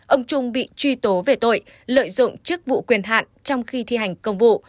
ông trung bị truy tố về tội lợi dụng chức vụ quyền hạn trong khi thi hành công vụ